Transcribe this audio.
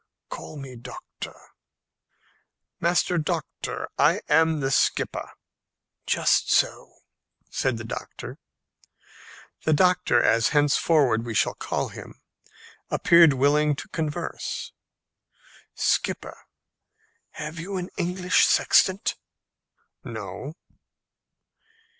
"Call me Doctor." "Master Doctor, I am the skipper." "Just so," said the doctor. The doctor, as henceforward we shall call him, appeared willing to converse. "Skipper, have you an English sextant?" "No."